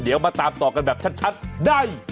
เดี๋ยวมาตามต่อกันแบบชัดได้